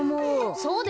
そうですよ。